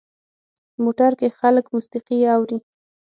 موټر کې خلک موسیقي اوري.